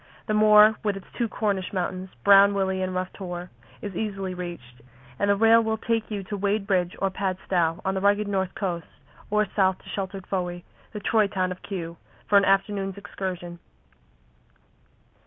The moor with its two Cornish mountains, Brown Willy and Rough Tor (which you must pronounce to rhyme with "plough"), is easily reached, and the rail will take you to Wadebridge or Padstow on the rugged north coast; or south to sheltered Fowey the Troy Town of "Q" for an afternoon's excursion.